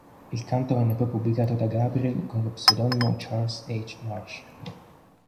Il canto venne poi pubblicato da Gabriel con lo pseudonimo "Charles H. Marsh".